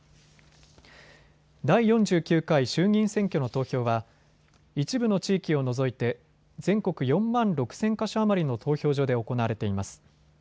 第４９回衆議院選挙の投票は一部の地域を除いて全国４万６０００か所余りの投票所で行われています。